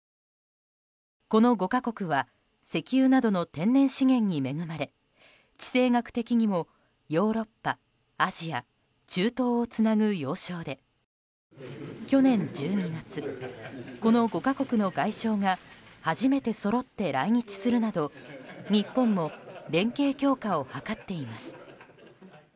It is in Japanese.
この５か国は石油などの天然資源に恵まれ地政学的にも、ヨーロッパアジア、中東をつなぐ要衝で去年１２月、この５か国の外相が初めてそろって来日するなど日本も連携強化を図っています。